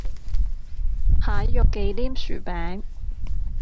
蟹肉忌廉薯餅